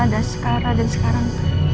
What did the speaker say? ada skara dan sekarang